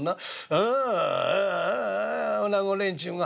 あああ女子連中が